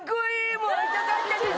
もう会いたかったです。